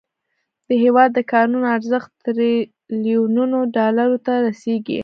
د هیواد د کانونو ارزښت تریلیونونو ډالرو ته رسیږي.